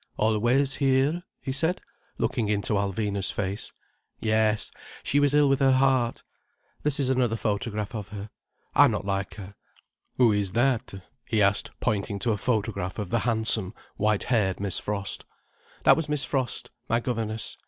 "Always here?" he said, looking into Alvina's face. "Yes. She was ill with her heart. This is another photograph of her. I'm not like her." "Who is that?" he asked, pointing to a photograph of the handsome, white haired Miss Frost. "That was Miss Frost, my governess.